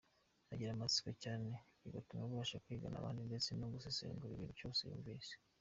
Agira amatsiko cyane bigatuma abasha kwigana abandi ndetse no gusesengura ikintu cyose yumvise.